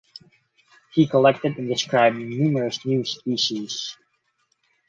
He collected and described numerous new species.